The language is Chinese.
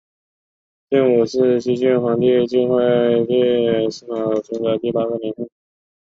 建武是西晋皇帝晋惠帝司马衷的第八个年号。